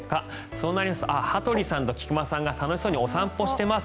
そうなりますと羽鳥さんと菊間さんが楽しそうにお散歩しています。